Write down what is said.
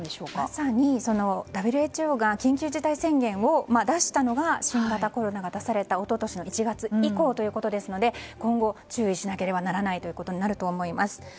まさにＷＨＯが緊急事態宣言を出したのが新型コロナが出された一昨年の１月以降ということですので今後注意しなければならないということになると思います。